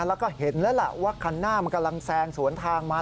แล้วก็เห็นแล้วล่ะว่าคันหน้ามันกำลังแซงสวนทางมา